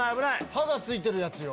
刃が付いてるやつよ。